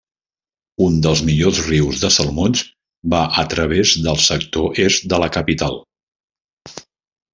Un dels millors rius de salmons va a través del sector est de la capital.